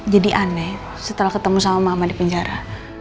jadi aneh setelah ketemu sama mama di penjara